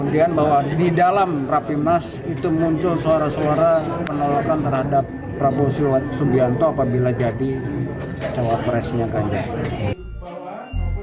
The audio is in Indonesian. kemudian bahwa di dalam rapi mas itu muncul suara suara penolakan terhadap prabowo soebianto apabila jadi calon presiden ganjar